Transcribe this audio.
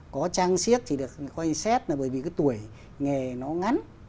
có trang siếc thì được quan sát là bởi vì cái tuổi nghề nó ngắn